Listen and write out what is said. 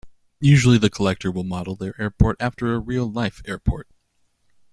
Usually, the collector will model their airport after a real life airport.